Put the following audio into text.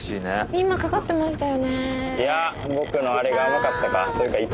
今かかってましたよね。